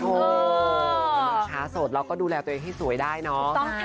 โอ้โหสดเราก็ดูแลตัวเองให้สวยได้เนาะ